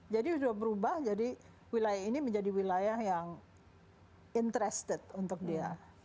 jadi sudah berubah jadi wilayah ini menjadi wilayah yang interested untuk dia